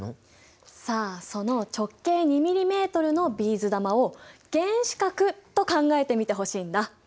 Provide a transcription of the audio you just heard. さあその直径２ｍｍのビーズ玉を原子核と考えてみてほしいんだ。